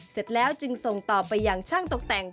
เสร็จแล้วจึงส่งต่อไปอย่างช่างตกแต่ง